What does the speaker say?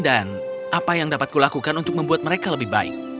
dan apa yang dapat kulakukan untuk membuat mereka lebih baik